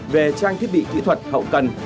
về trang thiết bị kỹ thuật hậu cần